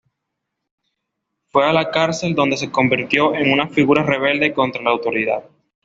Fue a la cárcel donde se convirtió en una figura rebelde contra la autoridad.